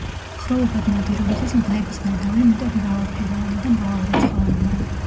ხროვებად ნადირობისას მგლების ნადავლი მეტად მრავალფეროვანი და მრავალრიცხოვანია.